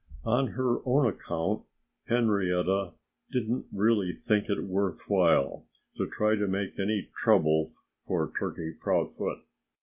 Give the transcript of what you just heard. On her own account Henrietta didn't really think it worth while to try to make any trouble for Turkey Proudfoot.